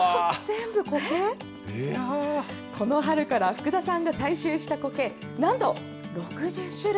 福田さんが採集したコケ、なんと６０種類。